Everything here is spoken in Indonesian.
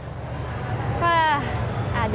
ada buah mentega